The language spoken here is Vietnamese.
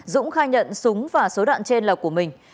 dũng khai nhận súng và số đạn trên là của mình